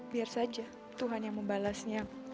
biar saja tuhan yang membalasnya